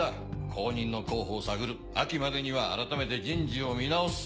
後任の候補を探る秋までにはあらためて人事を見直す。